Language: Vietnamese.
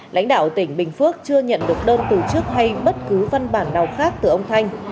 lãnh đạo tỉnh bình phước chưa nhận được đơn từ chức hay bất cứ văn bản nào khác từ ông thanh